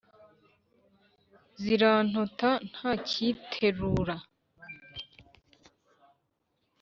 Zirantota ntacyiterura